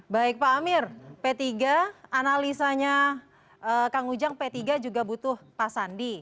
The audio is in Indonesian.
baik pak amir p tiga analisanya kang ujang p tiga juga butuh pak sandi